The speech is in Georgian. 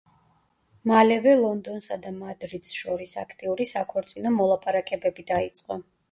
მალევე ლონდონსა და მადრიდს შორის აქტიური საქორწინო მოლაპარაკებები დაიწყო.